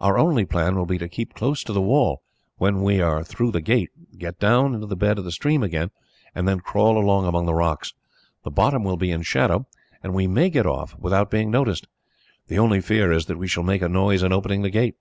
Our only plan will be to keep close to the wall, when we are through the gate, get down into the bed of the stream again, and then crawl along among the rocks. The bottom will be in shadow, and we may get off without being noticed. The only fear is that we shall make a noise in opening the gate.